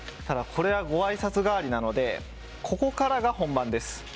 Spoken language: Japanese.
ただ、これはごあいさつ代わりなのでここからが本番です。